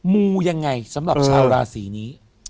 มูยังไงสำหรับชาวราศีนี้